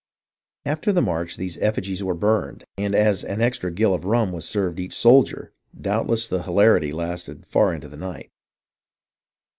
After the march these effigies were burned, and as " an extra gill of rum was served each soldier," doubtless the hilarity lasted far into the night.